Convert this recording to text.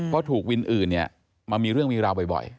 เพราะถูกวินอื่นเนี่ยมีเรื่องมีราวบ่อย